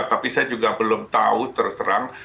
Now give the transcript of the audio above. tapi saya juga belum tahu terus terang